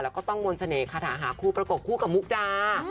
แล้วก็ต้องมนต์เสน่คาถาหาคู่ประกบคู่กับมุกดา